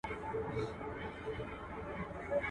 د ډېري اغزى، د يوه غوزى.